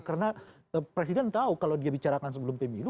karena presiden tahu kalau dia bicarakan sebelum pemilu